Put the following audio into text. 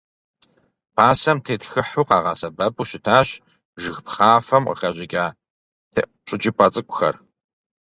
Пасэм тетхыхьу къагъэсэбэпу щытащ жыг пхъафэм къыхэщӏыкӏа теӏущӏыкӏыпӏэ цӏыкӏухэр.